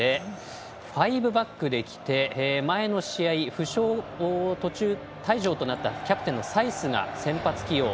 ５バックできて前の試合、途中退場となったキャプテンのサイスが先発起用。